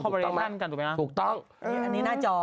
ถูกต้องมั้ยถูกต้องอันนี้หน้าจอ